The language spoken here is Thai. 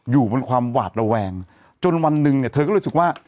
อยู่บนความหวาดระแวงจนวันหนึ่งเนี่ยเธอก็รู้สึกว่า